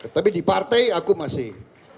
tapi di partai aku masih